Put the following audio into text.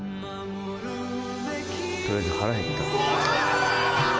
とりあえず腹減ったえっ？